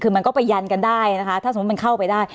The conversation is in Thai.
คือมันก็ไปยันกันได้นะคะถ้าสมมุติมันเข้าไปได้